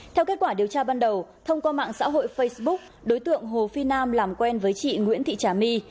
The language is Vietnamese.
theo kết quả điều tra ban đầu thông qua mạng xã hội facebook đối tượng hồ phi nam làm quen với chị nguyễn thị trà my